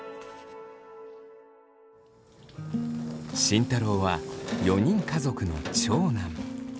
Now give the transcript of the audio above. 慎太郎は４人家族の長男。